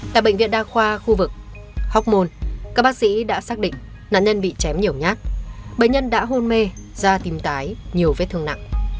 tại bệnh viện đa khoa khu vực hóc môn các bác sĩ đã xác định nạn nhân bị chém nhiều nhát bệnh nhân đã hôn mê da tìm tái nhiều vết thương nặng